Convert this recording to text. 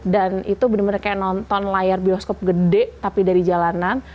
dan itu benar benar kayak nonton layar bioskop gede tapi dari jalanan